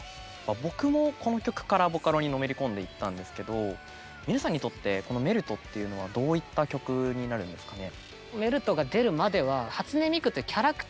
僕もこの曲からボカロにのめり込んでいったんですけど皆さんにとってこの「メルト」っていうのはどういった曲になるんですかね。